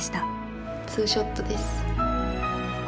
ツーショットです。